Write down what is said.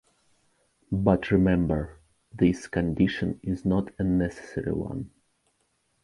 But remember, this condition is not a necessary one.